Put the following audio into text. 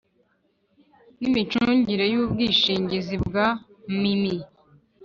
N imicungire y ubwishingizi bwa mmi